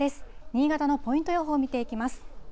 新潟のポイント予報を見ていきます。